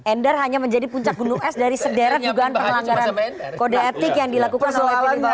endar hanya menjadi puncak gunung es dari sederet dugaan perlanggaran kode etik yang dilakukan oleh panglima